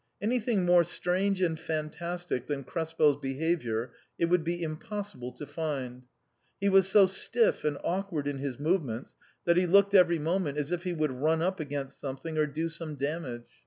Anything more strange and fantastic than KrespeFs behaviour it would be impossi ble to find. He was so stiff and awkward in his move ments, that he looked every moment as if he would run up against something or do some damage.